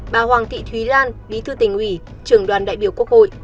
bà hoàng thị thúy lan bí thư tỉnh ủy trưởng đoàn đại biểu quốc hội